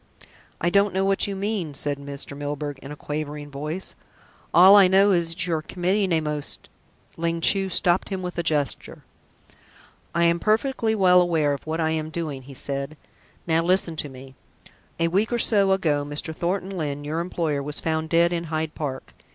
"I don't know what you mean," said Mr. Milburgh in a quavering voice. "All I know is that you are committing a most " Ling Chu stopped him with a gesture. "I am perfectly well aware of what I am doing," he said. "Now listen to me. A week or so ago, Mr. Thornton Lyne, your employer, was found dead in Hyde Park.